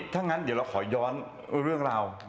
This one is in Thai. ถ้างั้นเดี๋ยวเราขอย้อนเรื่องราว